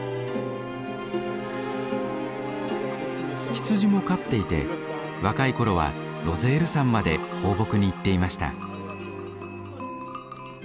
羊も飼っていて若い頃はロゼール山まで放牧に行っていました。